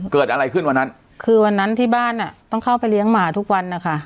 เกิดอะไรขึ้นวันนั้นคือวันนั้นที่บ้านอ่ะต้องเข้าไปเลี้ยงหมาทุกวันนะคะ